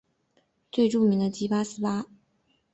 最著名的即八思巴。